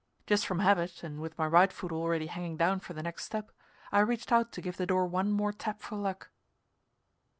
Just from habit, and with my right foot already hanging down for the next step, I reached out to give the door one more tap for luck.